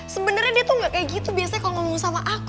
sebenarnya dia tuh gak kayak gitu biasanya kalau ngomong sama aku